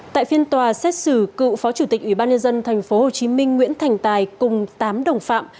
tại phiên tòa xét xử cựu phó chủ tịch ủy ban nhân dân tp hcm nguyễn thành tài cùng tám đồng phạm